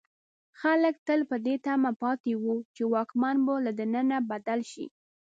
خلک تل په دې تمه پاتې وو چې واکمن به له دننه بدل شي.